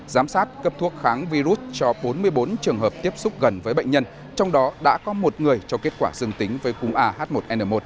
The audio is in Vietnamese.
giám sát cấp thuốc kháng virus cho bốn mươi bốn trường hợp tiếp xúc gần với bệnh nhân trong đó đã có một người cho kết quả dương tính với cúm ah một n một